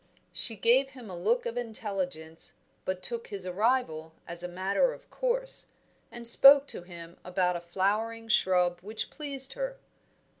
She gave him a look of intelligence, but took his arrival as a matter of course, and spoke to him about a flowering shrub which pleased her.